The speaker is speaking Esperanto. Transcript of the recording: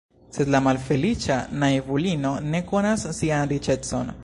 Sed la malfeliĉa naivulino ne konas sian riĉecon.